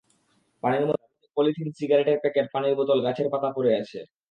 পানির মধ্যে পলিথিন, সিগারেটের প্যাকেট, পানির বোতল, গাছের পাতা পড়ে আছে।